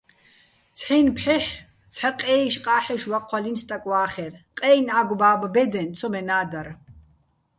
ცჰ̦აჲნი̆ ფჰ̦ეჰ̦ ცჰ̦ა ყე́იშ-ყა́ჰ̦ეშ ვაჴვაჲლნო̆ სტაკ ვა́ხერ, ყეჲნი̆ ა́გ-ბა́ბო̆ ბე́დეჼ ცომენა́ დარ.